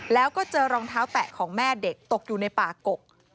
แล้วก็เจอรองเท้าแตะของแม่เด็กตกอยู่ในป่ากก